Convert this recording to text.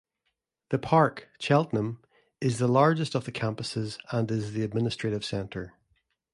The Park, Cheltenham, is the largest of the campuses and is the administrative centre.